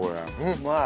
うまい。